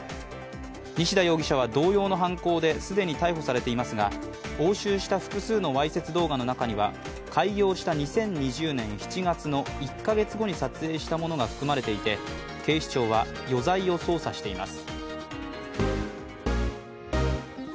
西田容疑者は同様の犯行で既に逮捕されていますが、押収した複数のわいせつ動画の中には開業した２０２０年７月の１か月後に撮影したものが含まれていて、警視庁は余罪を捜査しています。